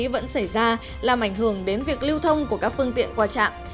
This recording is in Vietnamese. vẫn xảy ra làm ảnh hưởng đến việc lưu thông của các phương tiện qua trạm